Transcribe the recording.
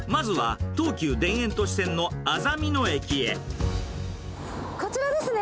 まずは、こちらですね。